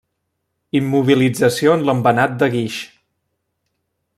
Immobilització en l'embenat de guix.